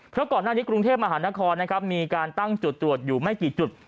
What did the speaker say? เพราะก่อนหน้านี้กรุงเทพมหานครนะครับมีการตั้งจุดตรวจอยู่ไม่กี่จุด